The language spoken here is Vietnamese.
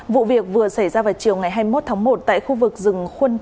vụ việc vừa xảy ra vào chiều ngày hai mươi một tháng một tại khu vực rừng khuôn